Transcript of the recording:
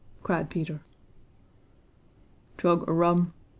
cried Peter. "Chug a rum!